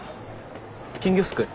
金魚すくい？